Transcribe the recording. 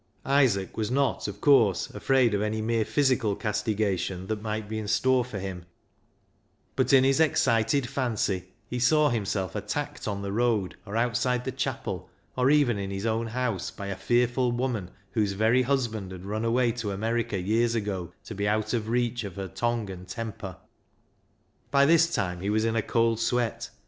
Isaac was not, of course, afraid of any mere physical castigation that might be in store for 294 BECKSIDE LIGHTS him, but in his excited fancy he saw himself attacked on the road, or outside the chapel, or even in his own house, by a fearful woman whose very husband had run away to America years ago to be out of reach of her tongue and temper. By this time he was in a cold sweat.